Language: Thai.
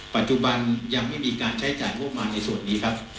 ปัจจุบันยังไม่มีการใช้จ่ายงบมารในส่วนนี้ครับ